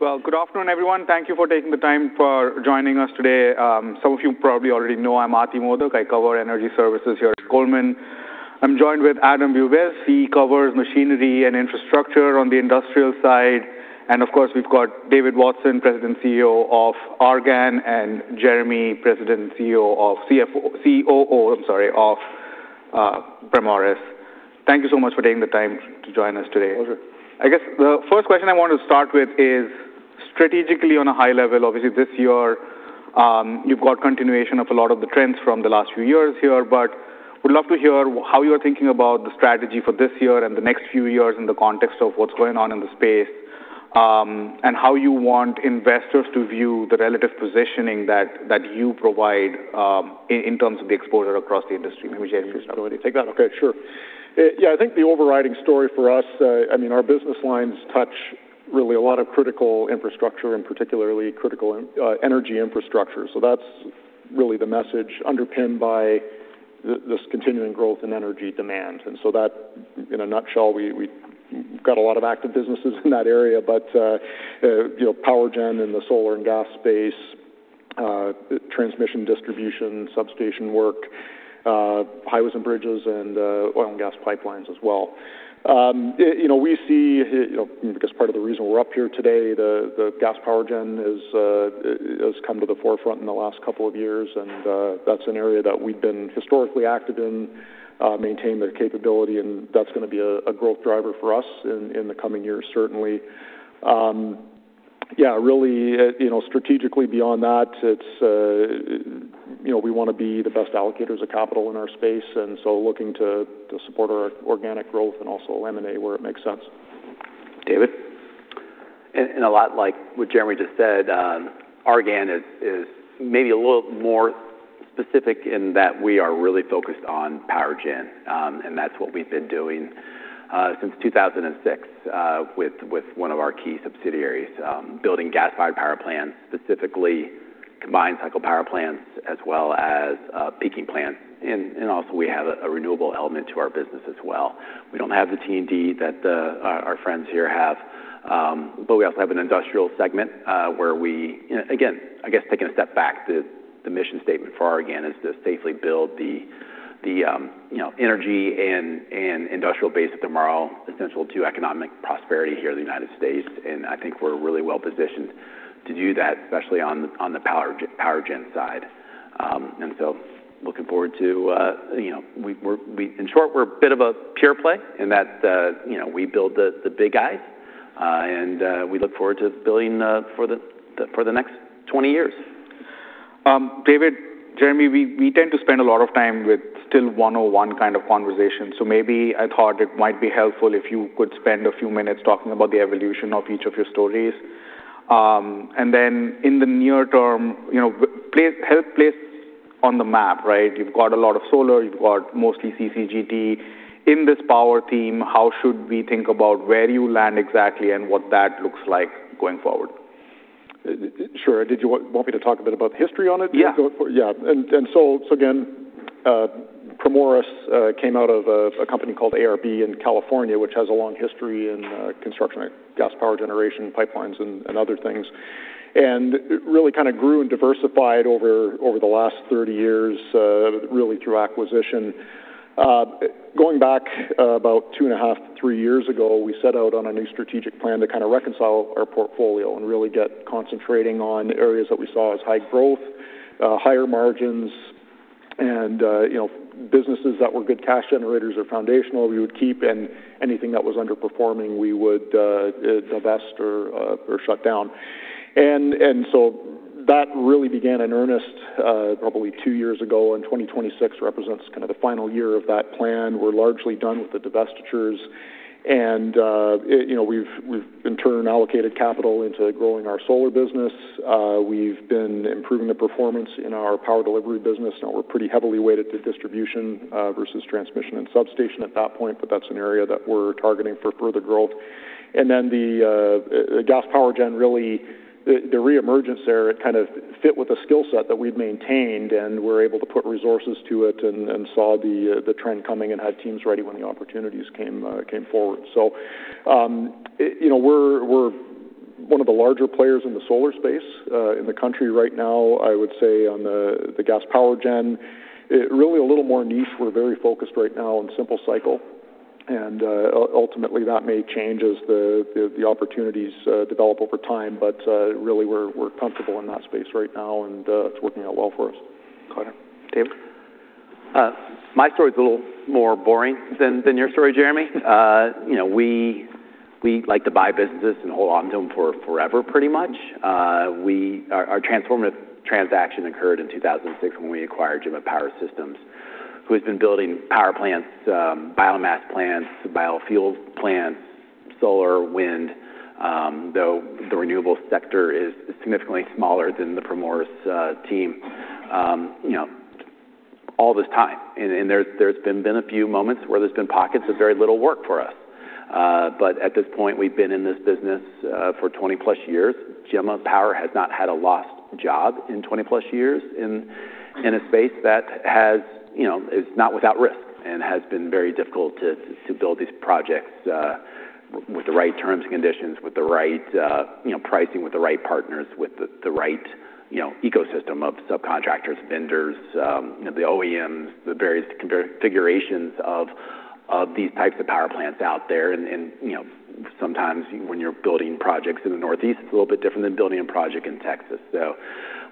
Good afternoon, everyone. Thank you for taking the time for joining us today. Some of you probably already know I'm Ati Modak. I cover energy services here at Goldman Sachs. I'm joined with Adam Bubes. He covers machinery and infrastructure on the industrial side. And of course, we've got David Watson, President and CEO of Argan, and Jeremy, President and COO of Primoris. Thank you so much for taking the time to join us today. Pleasure. I guess the first question I want to start with is, strategically, on a high level, obviously this year, you've got continuation of a lot of the trends from the last few years here. But I would love to hear how you are thinking about the strategy for this year and the next few years in the context of what's going on in the space, and how you want investors to view the relative positioning that you provide in terms of the exposure across the industry. Let me share with you something. Let me take that. Okay, sure. Yeah, I think the overriding story for us, I mean, our business lines touch really a lot of critical infrastructure, and particularly critical energy infrastructure. So that's really the message underpinned by this continuing growth in energy demand, and so that, in a nutshell, we've got a lot of active businesses in that area, but power gen in the solar and gas space, transmission distribution, substation work, highways and bridges, and oil and gas pipelines as well. We see, I guess, part of the reason we're up here today: the gas-powered gen has come to the forefront in the last couple of years. That's an area that we've been historically active in, maintaining their capability. That's going to be a growth driver for us in the coming years, certainly. Yeah, really, strategically beyond that, we want to be the best allocators of capital in our space, and so looking to support our organic growth and also eliminate where it makes sense. David? A lot like what Jeremy just said, Argan is maybe a little more specific in that we are really focused on power gen. And that's what we've been doing since 2006 with one of our key subsidiaries, building gas-fired power plants, specifically combined cycle power plants, as well as peaking plants. And also, we have a renewable element to our business as well. We don't have the T&D that our friends here have. But we also have an industrial segment where we, again, I guess taking a step back, the mission statement for Argan is to safely build the energy and industrial base of tomorrow, essential to economic prosperity here in the United States. And I think we're really well positioned to do that, especially on the power gen side. So looking forward to, in short, we're a bit of a pure play in that we build the big guys. We look forward to building for the next 20 years. David, Jeremy, we tend to spend a lot of time with still one-on-one kind of conversation. So maybe I thought it might be helpful if you could spend a few minutes talking about the evolution of each of your stories. And then in the near term, help place on the map, right? You've got a lot of solar. You've got mostly CCGT. In this power theme, how should we think about where you land exactly and what that looks like going forward? Sure. Did you want me to talk a bit about the history on it? Yeah. Yeah. And so again, Primoris came out of a company called ARB in California, which has a long history in construction, gas-powered generation, pipelines, and other things. And really kind of grew and diversified over the last 30 years, really through acquisition. Going back about two and a half to three years ago, we set out on a new strategic plan to kind of reconcile our portfolio and really get concentrating on areas that we saw as high growth, higher margins, and businesses that were good cash generators or foundational, we would keep. And anything that was underperforming, we would divest or shut down. And so that really began in earnest probably two years ago. And 2026 represents kind of the final year of that plan. We're largely done with the divestitures. And we've in turn allocated capital into growing our solar business. We've been improving the performance in our power delivery business. Now we're pretty heavily weighted to distribution versus transmission and substation at that point. But that's an area that we're targeting for further growth. And then the gas-powered gen really, the reemergence there, it kind of fit with a skill set that we'd maintained. And we're able to put resources to it and saw the trend coming and had teams ready when the opportunities came forward. So we're one of the larger players in the solar space in the country right now, I would say, on the gas-powered gen. Really a little more niche. We're very focused right now on simple cycle. And ultimately, that may change as the opportunities develop over time. But really, we're comfortable in that space right now. And it's working out well for us. Got it. David? My story is a little more boring than your story, Jeremy. We like to buy businesses and hold on to them for forever, pretty much. Our transformative transaction occurred in 2006 when we acquired Gemma Power Systems, who has been building power plants, biomass plants, biofuel plants, solar, wind, though the renewable sector is significantly smaller than the Primoris team all this time, and there's been a few moments where there's been pockets of very little work for us, but at this point, we've been in this business for 20+ years. Gemma Power has not had a lost job in 20+ years in a space that is not without risk and has been very difficult to build these projects with the right terms and conditions, with the right pricing, with the right partners, with the right ecosystem of subcontractors, vendors, the OEMs, the various configurations of these types of power plants out there. And sometimes when you're building projects in the Northeast, it's a little bit different than building a project in Texas. So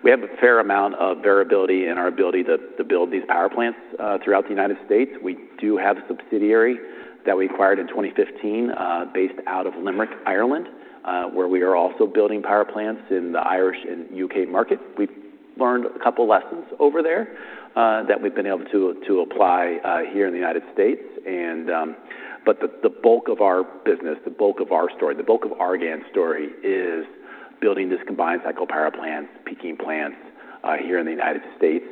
we have a fair amount of variability in our ability to build these power plants throughout the United States. We do have a subsidiary that we acquired in 2015 based out of Limerick, Ireland, where we are also building power plants in the Irish and UK market. We've learned a couple of lessons over there that we've been able to apply here in the United States. The bulk of our business, the bulk of our story, the bulk of Argan's story is building these combined cycle power plants, peaking plants here in the United States.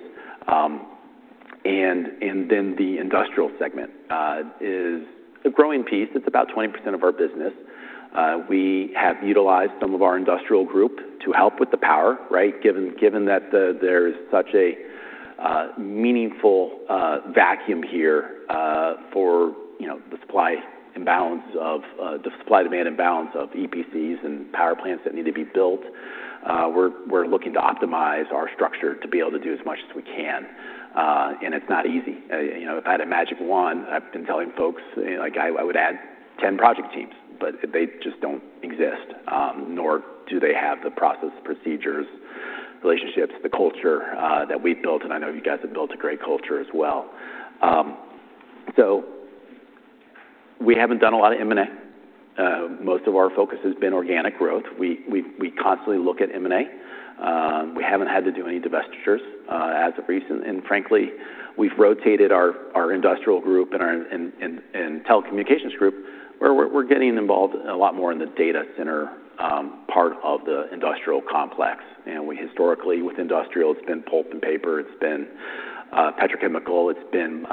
The industrial segment is a growing piece. It's about 20% of our business. We have utilized some of our industrial group to help with the power, right, given that there is such a meaningful vacuum here for the supply imbalance of the supply-demand imbalance of EPCs and power plants that need to be built. We're looking to optimize our structure to be able to do as much as we can. It's not easy. If I had a magic wand, I've been telling folks, I would add 10 project teams. They just don't exist, nor do they have the process, procedures, relationships, the culture that we've built. And I know you guys have built a great culture as well. So we haven't done a lot of M&A. Most of our focus has been organic growth. We constantly look at M&A. We haven't had to do any divestitures as of recent. And frankly, we've rotated our industrial group and our telecommunications group. We're getting involved a lot more in the data center part of the industrial complex. And historically, with industrial, it's been pulp and paper. It's been petrochemical. It's been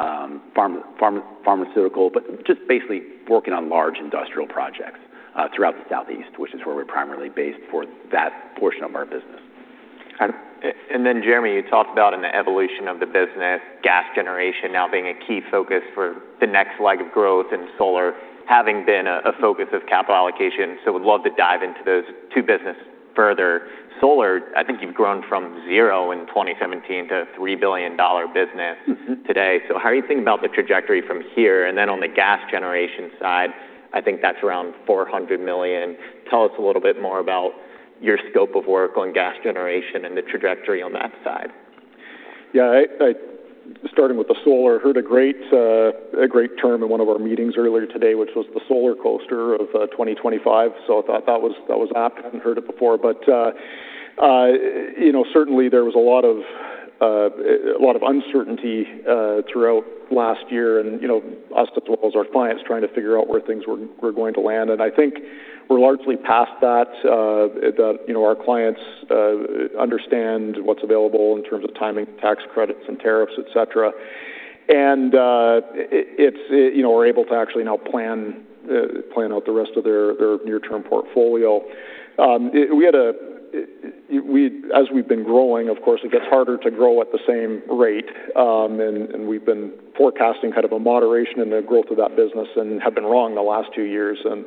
pharmaceutical. But just basically working on large industrial projects throughout the Southeast, which is where we're primarily based for that portion of our business. Then, Jeremy, you talked about an evolution of the business, gas generation now being a key focus for the next leg of growth in solar, having been a focus of capital allocation. We'd love to dive into those two businesses further. Solar, I think you've grown from zero in 2017 to a $3 billion business today. How are you thinking about the trajectory from here? On the gas generation side, I think that's around $400 million. Tell us a little bit more about your scope of work on gas generation and the trajectory on that side. Yeah, starting with the solar, I heard a great term in one of our meetings earlier today, which was the solar coaster of 2025. So I thought that was apt. I hadn't heard it before. But certainly, there was a lot of uncertainty throughout last year. And us, as well as our clients, trying to figure out where things were going to land. And I think we're largely past that, that our clients understand what's available in terms of timing, tax credits, and tariffs, etc. And we're able to actually now plan out the rest of their near-term portfolio. As we've been growing, of course, it gets harder to grow at the same rate. And we've been forecasting kind of a moderation in the growth of that business and have been wrong the last two years. We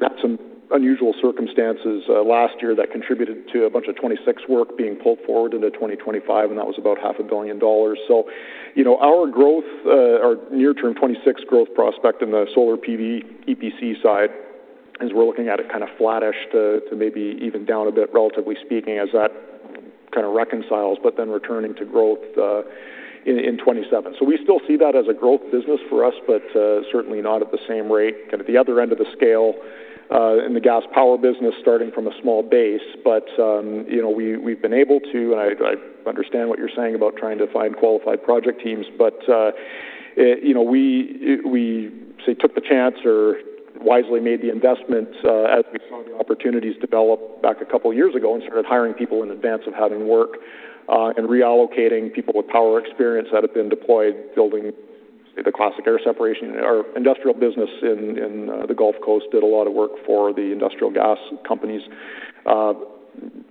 had some unusual circumstances last year that contributed to a bunch of 2026 work being pulled forward into 2025. And that was about $500 million. So our growth, our near-term 2026 growth prospect in the solar PV EPC side is we're looking at it kind of flattish to maybe even down a bit, relatively speaking, as that kind of reconciles, but then returning to growth in 2027. So we still see that as a growth business for us, but certainly not at the same rate. Kind of the other end of the scale in the gas-powered business, starting from a small base. But we've been able to, and I understand what you're saying about trying to find qualified project teams. We took the chance or wisely made the investment as we saw the opportunities develop back a couple of years ago and started hiring people in advance of having work and reallocating people with power experience that had been deployed, building the classic air separation. Our industrial business in the Gulf Coast did a lot of work for the industrial gas companies.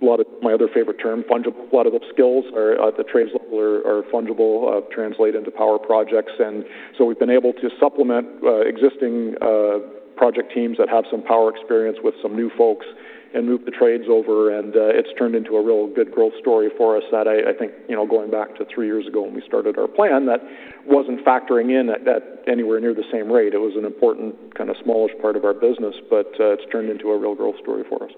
My other favorite term, a lot of the skills at the trades level are fungible, translate into power projects. And so we've been able to supplement existing project teams that have some power experience with some new folks and move the trades over. And it's turned into a real good growth story for us that I think going back to three years ago when we started our plan, that wasn't factoring in at anywhere near the same rate. It was an important kind of smallish part of our business, but it's turned into a real growth story for us.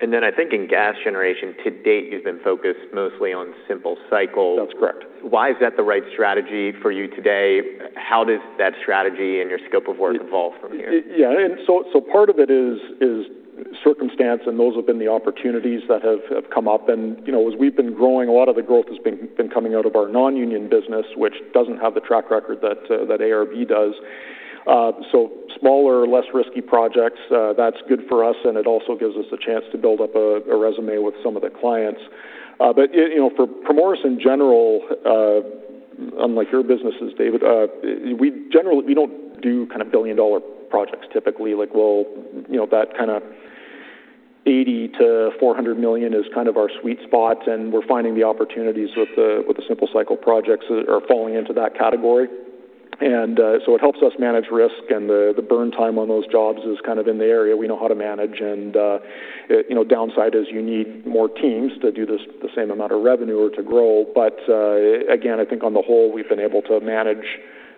And then I think in gas generation, to date, you've been focused mostly on simple cycle. That's correct. Why is that the right strategy for you today? How does that strategy and your scope of work evolve from here? Yeah. And so part of it is circumstance. And those have been the opportunities that have come up. And as we've been growing, a lot of the growth has been coming out of our non-union business, which doesn't have the track record that ARB does. So smaller, less risky projects, that's good for us. And it also gives us a chance to build up a resume with some of the clients. But Primoris in general, unlike your businesses, David, we don't do kind of billion-dollar projects typically. Like that kind of $80 million-$400 million is kind of our sweet spot. And we're finding the opportunities with the simple cycle projects that are falling into that category. And so it helps us manage risk. And the burn time on those jobs is kind of in the area we know how to manage. And downside is you need more teams to do the same amount of revenue or to grow. But again, I think on the whole, we've been able to manage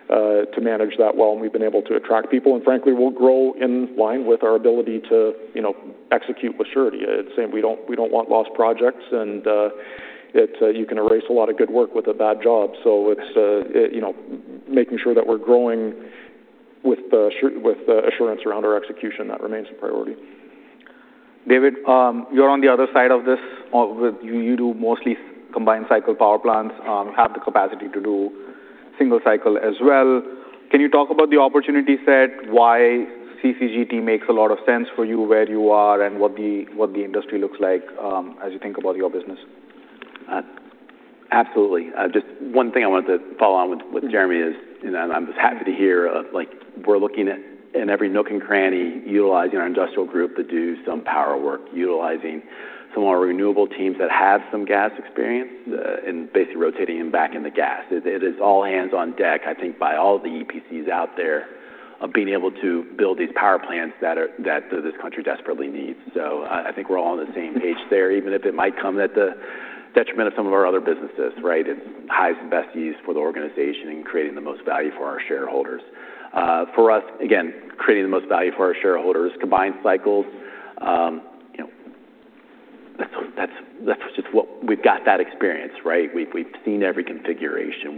that well. And we've been able to attract people. And frankly, we'll grow in line with our ability to execute with surety. We don't want lost projects. And you can erase a lot of good work with a bad job. So making sure that we're growing with assurance around our execution, that remains a priority. David, you're on the other side of this. You do mostly combined cycle power plants, have the capacity to do simple cycle as well. Can you talk about the opportunity set, why CCGT makes a lot of sense for you where you are and what the industry looks like as you think about your business? Absolutely. Just one thing I wanted to follow on with Jeremy is I'm just happy to hear we're looking at every nook and cranny utilizing our industrial group to do some power work, utilizing some of our renewable teams that have some gas experience and basically rotating them back into gas. It is all hands on deck, I think, by all the EPCs out there of being able to build these power plants that this country desperately needs. So I think we're all on the same page there, even if it might come at the detriment of some of our other businesses, right? It's highs and bests for the organization and creating the most value for our shareholders. For us, again, creating the most value for our shareholders, combined cycles, that's just what we've got that experience, right? We've seen every configuration.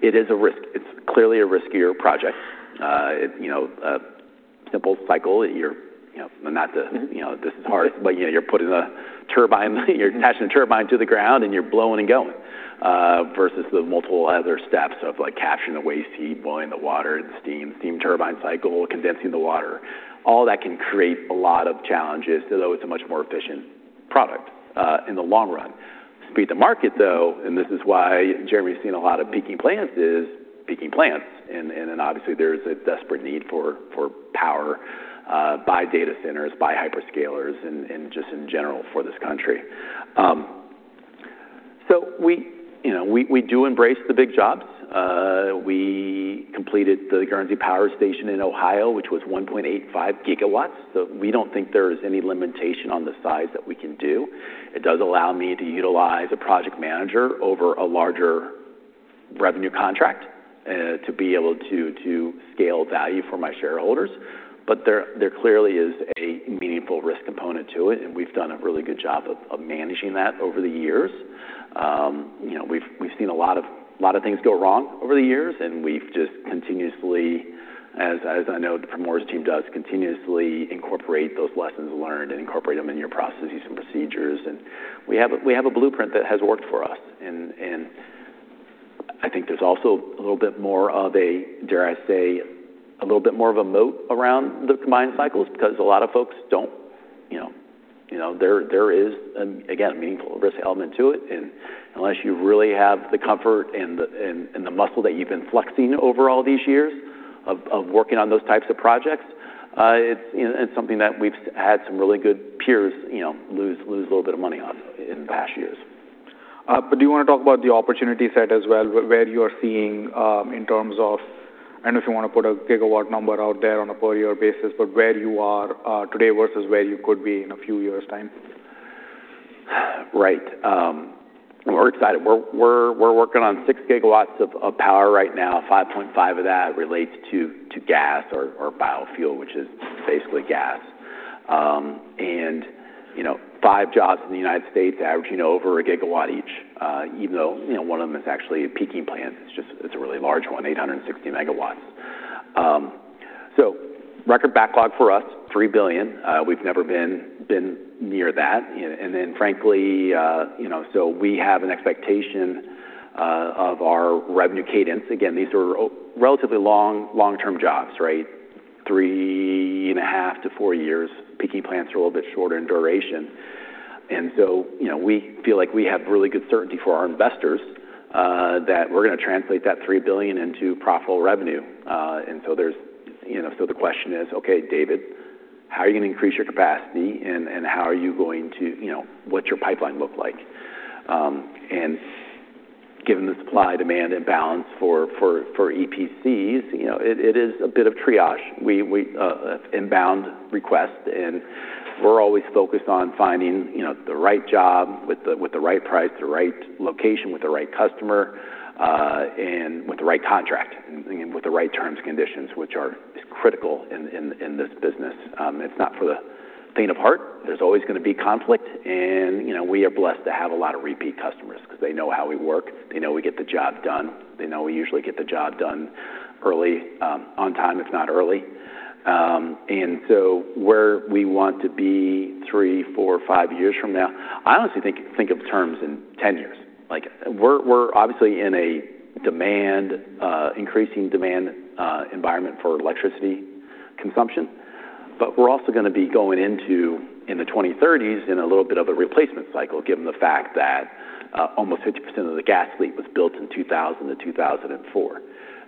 It is a risk. It's clearly a riskier project. Simple cycle. This is hard. But you're putting a turbine, you're attaching a turbine to the ground, and you're blowing and going versus the multiple other steps of capturing the waste heat, boiling the water in steam, steam turbine cycle, condensing the water. All that can create a lot of challenges, though it's a much more efficient product in the long run. Speed to market, though, and this is why Jeremy's seen a lot of peaking plants, and then obviously there's a desperate need for power by data centers, by hyperscalers, and just in general for this country, so we do embrace the big jobs. We completed the Guernsey Power Station in Ohio, which was 1.85 GW, so we don't think there is any limitation on the size that we can do. It does allow me to utilize a project manager over a larger revenue contract to be able to scale value for my shareholders. But there clearly is a meaningful risk component to it. And we've done a really good job of managing that over the years. We've seen a lot of things go wrong over the years. And we've just continuously, as I know the Primoris team does, continuously incorporate those lessons learned and incorporate them in your processes and procedures. And we have a blueprint that has worked for us. And I think there's also a little bit more of a, dare I say, a little bit more of a moat around the combined cycles because a lot of folks don't. There is, again, a meaningful risk element to it. Unless you really have the comfort and the muscle that you've been flexing over all these years of working on those types of projects, it's something that we've had some really good peers lose a little bit of money on in the past years. But do you want to talk about the opportunity set as well, where you are seeing in terms of, I don't know if you want to put a gigawatt number out there on a per-year basis, but where you are today versus where you could be in a few years' time? Right. We're excited. We're working on 6 GW of power right now. 5.5 GW of that relates to gas or biofuel, which is basically gas. And five jobs in the United States averaging over a gigawatt each, even though one of them is actually a peaking plant. It's a really large one, 860 MW. So record backlog for us, $3 billion. We've never been near that. And then frankly, so we have an expectation of our revenue cadence. Again, these are relatively long-term jobs, right? Three and a half to four years. Peaking plants are a little bit shorter in duration. And so we feel like we have really good certainty for our investors that we're going to translate that $3 billion into profitable revenue. And so the question is, okay, David, how are you going to increase your capacity? And how are you going to, what's your pipeline look like? And given the supply-demand imbalance for EPCs, it is a bit of triage, inbound request. And we're always focused on finding the right job with the right price, the right location with the right customer, and with the right contract, and with the right terms and conditions, which are critical in this business. It's not for the faint of heart. There's always going to be conflict. And we are blessed to have a lot of repeat customers because they know how we work. They know we get the job done. They know we usually get the job done early, on time, if not early. And so where we want to be three, four, five years from now, I honestly think in terms in 10 years. We're obviously in a demand, increasing demand environment for electricity consumption. But we're also going to be going into the 2030s in a little bit of a replacement cycle, given the fact that almost 50% of the gas fleet was built in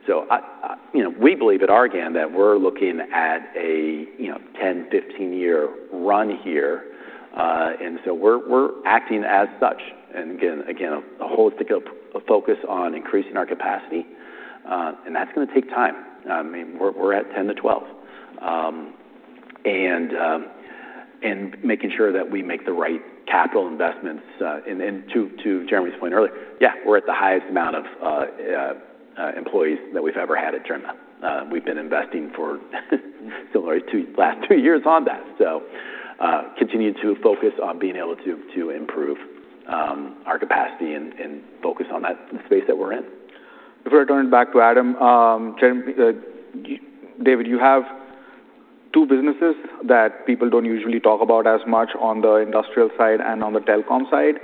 2000-2004. We believe at Argan that we're looking at a 10-15-year run here. We're acting as such. Again, a holistic focus on increasing our capacity. That's going to take time. I mean, we're at 10-12 years. We're making sure that we make the right capital investments. To Jeremy's point earlier, yeah, we're at the highest amount of employees that we've ever had at Gemma. We've been investing for similar to the last two years on that. We continue to focus on being able to improve our capacity and focus on that space that we're in. Before I turn it back to Adam, David, you have two businesses that people don't usually talk about as much on the industrial side and on the telecom side.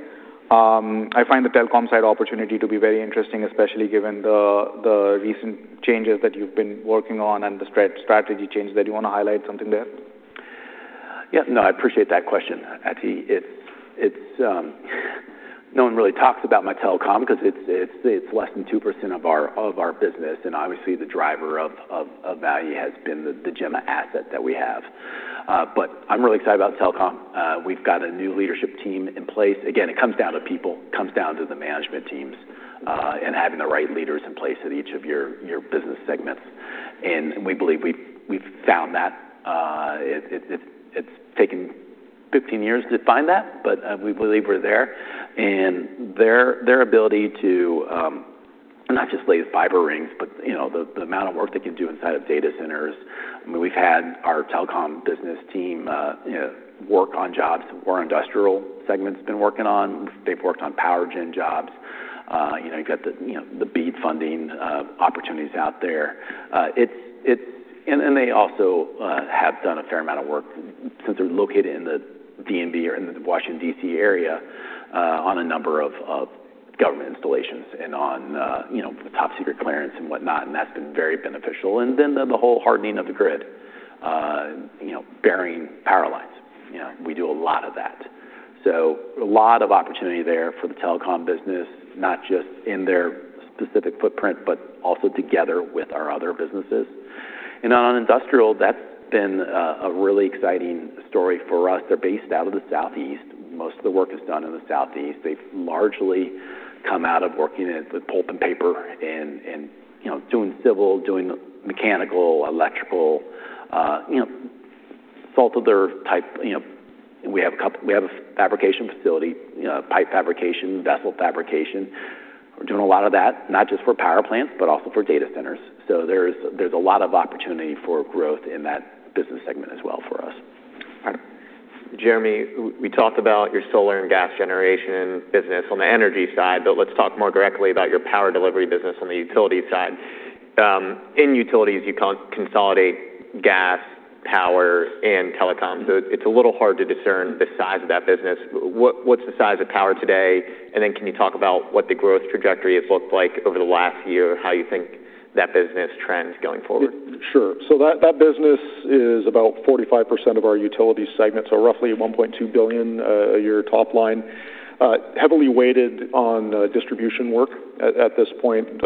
I find the telecom side opportunity to be very interesting, especially given the recent changes that you've been working on and the strategy change that you want to highlight something there. Yeah. No, I appreciate that question, Ati. No one really talks about my telecom because it's less than 2% of our business. And obviously, the driver of value has been the Gemma asset that we have. But I'm really excited about telecom. We've got a new leadership team in place. Again, it comes down to people, comes down to the management teams and having the right leaders in place at each of your business segments. And we believe we've found that. It's taken 15 years to find that, but we believe we're there. And their ability to not just lay fiber rings, but the amount of work they can do inside of data centers. I mean, we've had our telecom business team work on jobs where industrial segments have been working on. They've worked on power gen jobs. You've got the BEAD funding opportunities out there. And they also have done a fair amount of work since they're located in the DMV or in the Washington, D.C. area on a number of government installations and on top secret clearance and whatnot. And that's been very beneficial. And then the whole hardening of the grid, burying power lines. We do a lot of that. So a lot of opportunity there for the telecom business, not just in their specific footprint, but also together with our other businesses. And on industrial, that's been a really exciting story for us. They're based out of the Southeast. Most of the work is done in the Southeast. They've largely come out of working with pulp and paper and doing civil, doing mechanical, electrical, salt-of-the-earth type. We have a fabrication facility, pipe fabrication, vessel fabrication. We're doing a lot of that, not just for power plants, but also for data centers. So there's a lot of opportunity for growth in that business segment as well for us. All right. Jeremy, we talked about your solar and gas generation business on the energy side, but let's talk more directly about your power delivery business on the utility side. In utilities, you consolidate gas, power, and telecom. So it's a little hard to discern the size of that business. What's the size of power today? And then can you talk about what the growth trajectory has looked like over the last year and how you think that business trends going forward? Sure. So that business is about 45% of our utility segment, so roughly $1.2 billion a year top line, heavily weighted on distribution work at this point,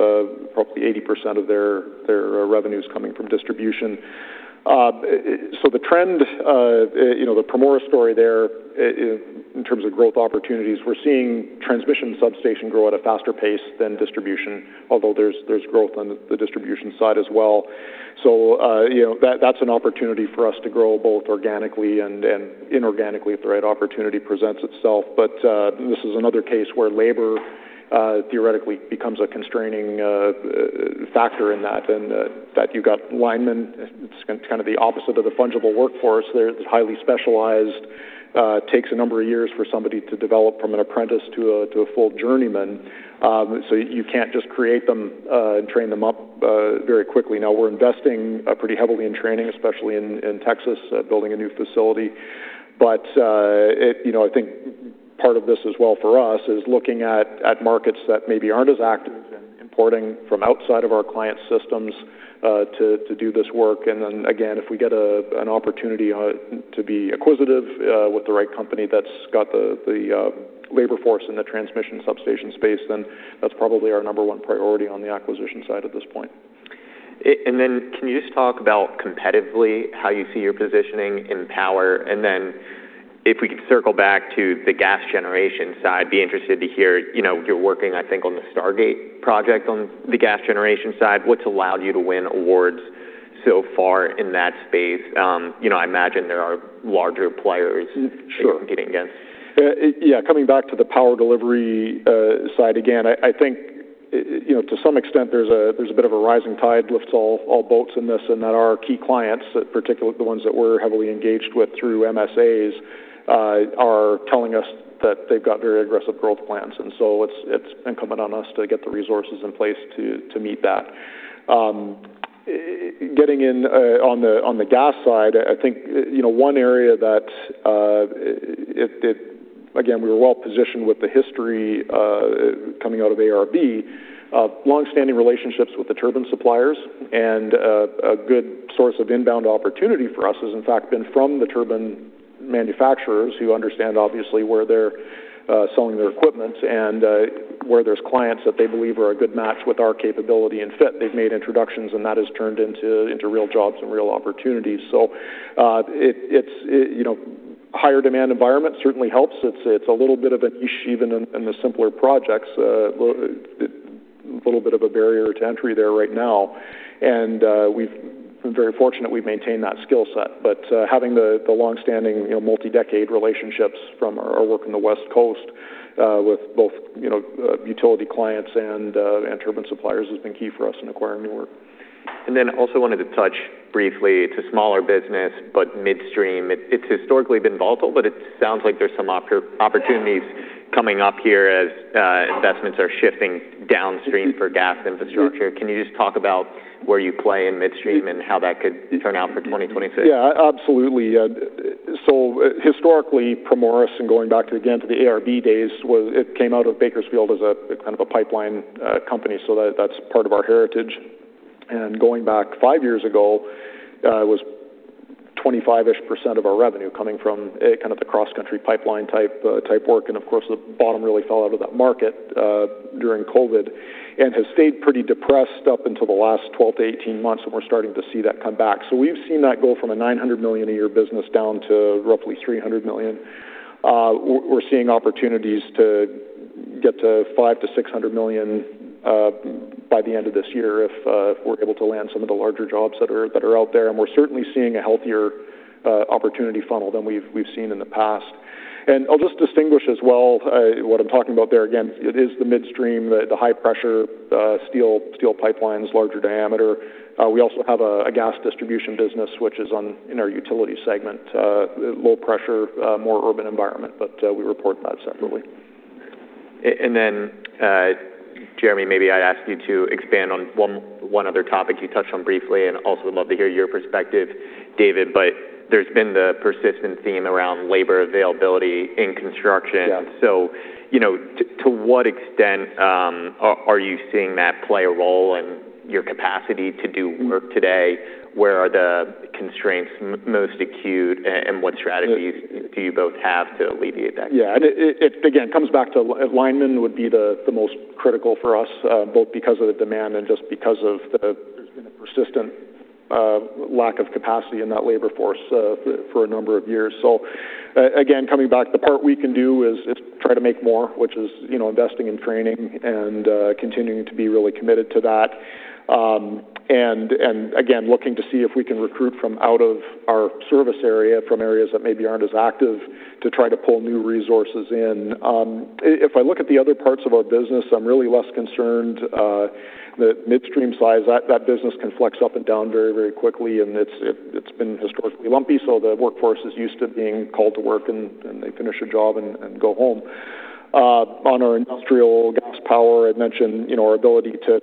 probably 80% of their revenue is coming from distribution. So the trend, the Primoris story there in terms of growth opportunities, we're seeing transmission substation grow at a faster pace than distribution, although there's growth on the distribution side as well. So that's an opportunity for us to grow both organically and inorganically if the right opportunity presents itself. But this is another case where labor theoretically becomes a constraining factor in that. And that you've got linemen, it's kind of the opposite of the fungible workforce. They're highly specialized. It takes a number of years for somebody to develop from an apprentice to a full journeyman. So you can't just create them and train them up very quickly. Now we're investing pretty heavily in training, especially in Texas, building a new facility. But I think part of this as well for us is looking at markets that maybe aren't as active and importing from outside of our client systems to do this work. And then again, if we get an opportunity to be acquisitive with the right company that's got the labor force in the transmission substation space, then that's probably our number one priority on the acquisition side at this point. And then, can you just talk about competitively how you see your positioning in power? And then, if we could circle back to the gas generation side, be interested to hear you're working, I think, on the Stargate project on the gas generation side. What's allowed you to win awards so far in that space? I imagine there are larger players you're competing against. Sure. Yeah. Coming back to the power delivery side again, I think to some extent, there's a bit of a rising tide lifts all boats in this and that our key clients, particularly the ones that we're heavily engaged with through MSAs, are telling us that they've got very aggressive growth plans, and so it's incumbent on us to get the resources in place to meet that. Getting in on the gas side, I think one area that, again, we were well positioned with the history coming out of ARB, long-standing relationships with the turbine suppliers, and a good source of inbound opportunity for us has in fact been from the turbine manufacturers who understand, obviously, where they're selling their equipment and where there's clients that they believe are a good match with our capability and fit. They've made introductions, and that has turned into real jobs and real opportunities. Higher demand environment certainly helps. It's a little bit of an issue even in the simpler projects, a little bit of a barrier to entry there right now. We've been very fortunate we've maintained that skill set. Having the long-standing multi-decade relationships from our work on the West Coast with both utility clients and turbine suppliers has been key for us in acquiring new work. I also wanted to touch briefly on the smaller business, but midstream. It's historically been volatile, but it sounds like there's some opportunities coming up here as investments are shifting downstream for gas infrastructure. Can you just talk about where you play in midstream and how that could turn out for 2026? Yeah, absolutely. So historically, Primoris and going back again to the ARB days, it came out of Bakersfield as a kind of a pipeline company. So that's part of our heritage. And going back five years ago, it was 25%-ish of our revenue coming from kind of the cross-country pipeline type work. And of course, the bottom really fell out of that market during COVID and has stayed pretty depressed up until the last 12-18 months, and we're starting to see that come back. So we've seen that go from a $900 million a year business down to roughly $300 million. We're seeing opportunities to get to $500 million-600 million by the end of this year if we're able to land some of the larger jobs that are out there. And we're certainly seeing a healthier opportunity funnel than we've seen in the past. I'll just distinguish as well what I'm talking about there again is the midstream, the high-pressure steel pipelines, larger diameter. We also have a gas distribution business, which is in our utility segment, low-pressure, more urban environment, but we report that separately. And then, Jeremy, maybe I'd ask you to expand on one other topic you touched on briefly and also would love to hear your perspective, David, but there's been the persistent theme around labor availability in construction. So to what extent are you seeing that play a role in your capacity to do work today? Where are the constraints most acute, and what strategies do you both have to alleviate that? Yeah, and again, it comes back to linemen would be the most critical for us, both because of the demand and just because of the persistent lack of capacity in that labor force for a number of years, so again, coming back, the part we can do is try to make more, which is investing in training and continuing to be really committed to that, and again, looking to see if we can recruit from out of our service area, from areas that maybe aren't as active to try to pull new resources in. If I look at the other parts of our business, I'm really less concerned. That midstream side, that business can flex up and down very, very quickly, and it's been historically lumpy, so the workforce is used to being called to work, and they finish a job and go home. On our industrial gas power, I'd mentioned our ability to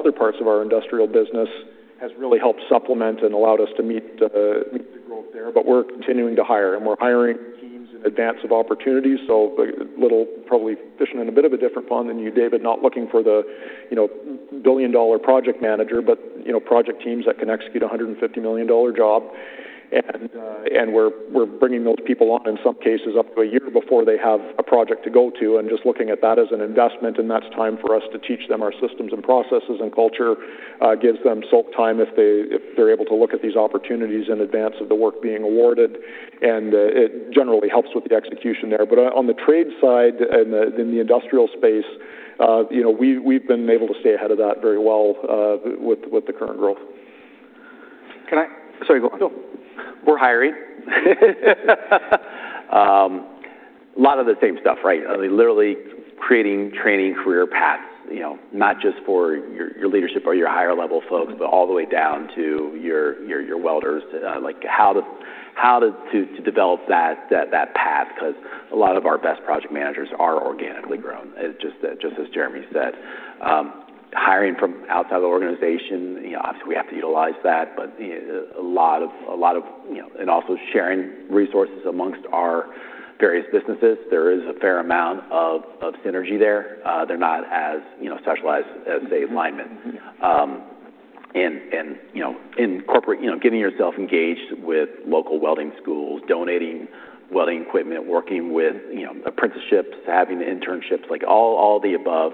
transfer people from other parts of our industrial business has really helped supplement and allowed us to meet the growth there. But we're continuing to hire, and we're hiring teams in advance of opportunities. So probably fishing in a bit of a different pond than you, David, not looking for the billion-dollar project manager, but project teams that can execute a $150 million job. And we're bringing those people on in some cases up to a year before they have a project to go to. And just looking at that as an investment, and that's time for us to teach them our systems and processes and culture gives them soak time if they're able to look at these opportunities in advance of the work being awarded. And it generally helps with the execution there. But on the trade side and in the industrial space, we've been able to stay ahead of that very well with the current growth. Sorry. Go on. We're hiring. A lot of the same stuff, right? Literally creating training career paths, not just for your leadership or your higher-level folks, but all the way down to your welders, how to develop that path because a lot of our best project managers are organically grown, just as Jeremy said. Hiring from outside the organization, obviously, we have to utilize that, but a lot of, and also sharing resources among our various businesses. There is a fair amount of synergy there. They're not as specialized as, say, linemen. Getting yourself engaged with local welding schools, donating welding equipment, working with apprenticeships, having the internships, all the above.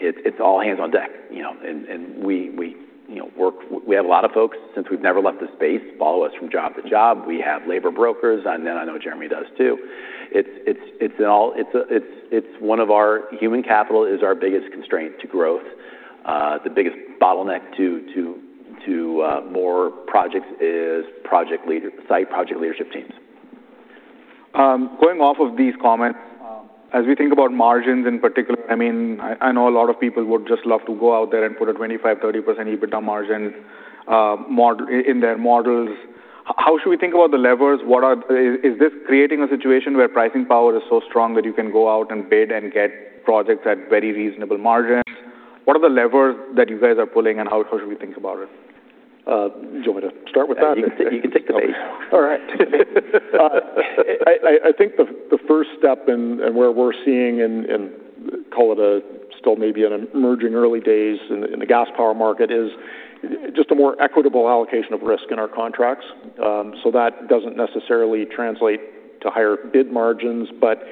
It's all hands on deck. We have a lot of folks, since we've never left the space, follow us from job to job. We have labor brokers, and then I know Jeremy does too. It's one of our human capital is our biggest constraint to growth. The biggest bottleneck to more projects is site project leadership teams. Going off of these comments, as we think about margins in particular, I mean, I know a lot of people would just love to go out there and put a 25%-30% EBITDA margin in their models. How should we think about the levers? Is this creating a situation where pricing power is so strong that you can go out and bid and get projects at very reasonable margins? What are the levers that you guys are pulling, and how should we think about it? Do you want me to start with that? You can take the bait. All right. I think the first step and where we're seeing, and call it still maybe in emerging early days in the gas power market, is just a more equitable allocation of risk in our contracts. So that doesn't necessarily translate to higher bid margins, but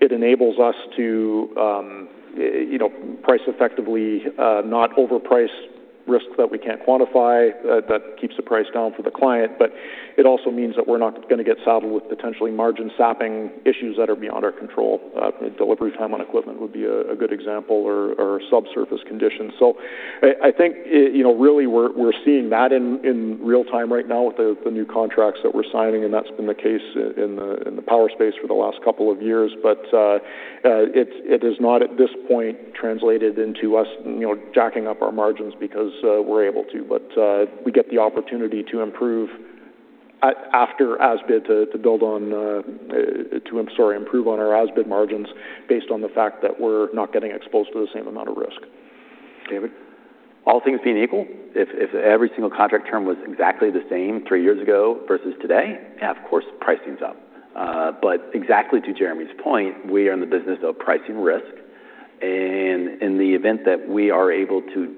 it enables us to price effectively not overprice risk that we can't quantify that keeps the price down for the client. But it also means that we're not going to get saddled with potentially margin-sapping issues that are beyond our control. Delivery time on equipment would be a good example or subsurface conditions. So I think really we're seeing that in real time right now with the new contracts that we're signing, and that's been the case in the power space for the last couple of years. But it has not at this point translated into us jacking up our margins because we're able to, but we get the opportunity to improve after as-built to improve on our as-built margins based on the fact that we're not getting exposed to the same amount of risk. David? All things being equal, if every single contract term was exactly the same three years ago versus today, yeah, of course, pricing's up. But exactly to Jeremy's point, we are in the business of pricing risk. And in the event that we are able to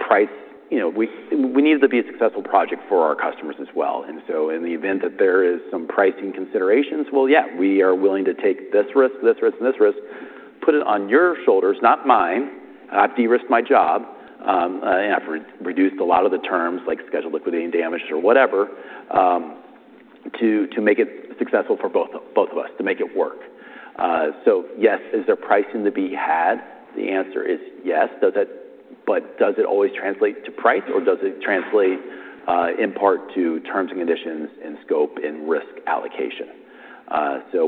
price, we needed to be a successful project for our customers as well. And so in the event that there is some pricing considerations, well, yeah, we are willing to take this risk, this risk, and this risk, put it on your shoulders, not mine. I've de-risked my job, and I've reduced a lot of the terms like scheduled liquidated damages or whatever to make it successful for both of us, to make it work. So yes, is there pricing to be had? The answer is yes, but does it always translate to price, or does it translate in part to terms and conditions and scope and risk allocation? So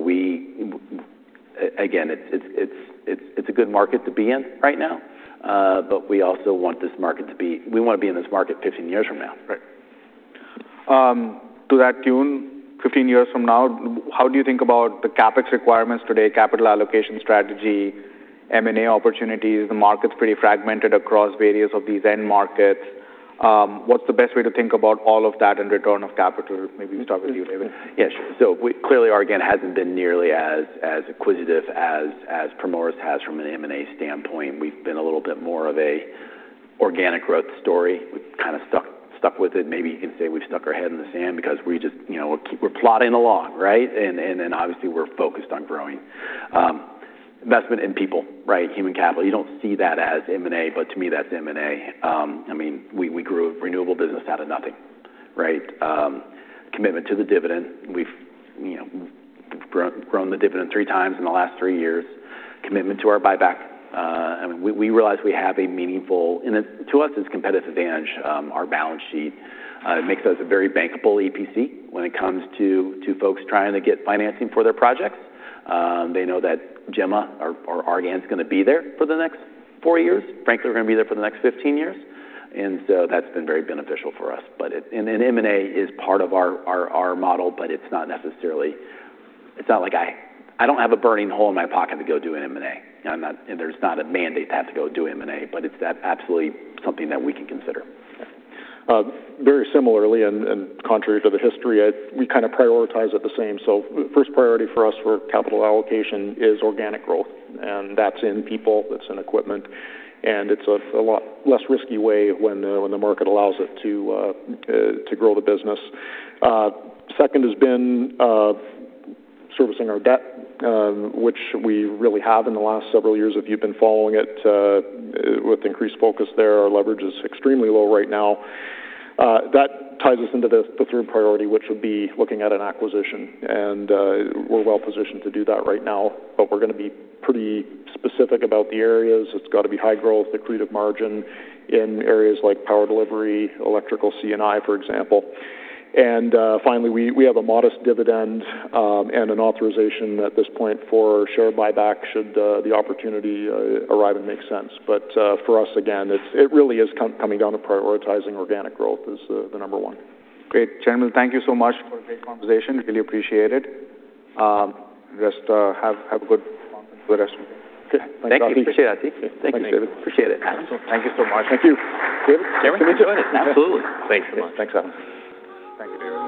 again, it's a good market to be in right now, but we also want to be in this market 15 years from now. Right. To that tune, 15 years from now, how do you think about the CapEx requirements today, capital allocation strategy, M&A opportunities? The market's pretty fragmented across various of these end markets. What's the best way to think about all of that and return of capital? Maybe we start with you, David. Yeah. So clearly, Argan hasn't been nearly as acquisitive as Primoris has from an M&A standpoint. We've been a little bit more of an organic growth story. We've kind of stuck with it. Maybe you can say we've stuck our head in the sand because we're plodding along, right? And then obviously, we're focused on growing. Investment in people, right? Human capital. You don't see that as M&A, but to me, that's M&A. I mean, we grew a renewable business out of nothing, right? Commitment to the dividend. We've grown the dividend three times in the last three years. Commitment to our buyback. I mean, we realize we have a meaningful, and to us, it's a competitive advantage. Our balance sheet makes us a very bankable EPC when it comes to folks trying to get financing for their projects. They know that Gemma, our Argan, is going to be there for the next four years. Frankly, we're going to be there for the next 15 years. And so that's been very beneficial for us. And M&A is part of our model, but it's not necessarily like I don't have a burning hole in my pocket to go do an M&A. There's not a mandate to have to go do M&A, but it's absolutely something that we can consider. Very similarly, and contrary to the history, we kind of prioritize it the same. So first priority for us for capital allocation is organic growth. And that's in people. That's in equipment. And it's a lot less risky way when the market allows it to grow the business. Second has been servicing our debt, which we really have in the last several years. If you've been following it with increased focus there, our leverage is extremely low right now. That ties us into the third priority, which would be looking at an acquisition. And we're well positioned to do that right now, but we're going to be pretty specific about the areas. It's got to be high growth, accretive margin in areas like power delivery, electrical, C&I, for example. Finally, we have a modest dividend and an authorization at this point for share buyback should the opportunity arrive and make sense. For us, again, it really is coming down to prioritizing organic growth as the number one. Great. Gentlemen, thank you so much for the conversation. Really appreciate it. Rest have a good conference for the rest of the day. Okay. Thank you. Thank you. Appreciate it. Thank you, David. Appreciate it. Thank you so much. Thank you. David, can we join? Absolutely. Thanks so much. Thanks, Adam. Thank you, David.